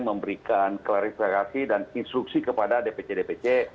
memberikan klarifikasi dan instruksi kepada dpc dpc